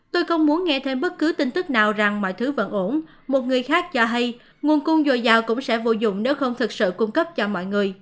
tôi không muốn nghe thêm bất cứ tin tức nào rằng mọi thứ vẫn ổn một người khác cho hay nguồn cung dồi dào cũng sẽ vô dụng nếu không thực sự cung cấp cho mọi người